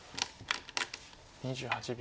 ２８秒。